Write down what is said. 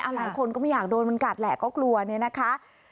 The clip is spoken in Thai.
หลายคนก็ไม่อยากโดนมันกัดแหละก็กลัวเนี่ยนะคะ